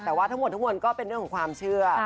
แต่ว่าทั้งหมดทั้งมวลก็เป็นเรื่องของความเชื่อ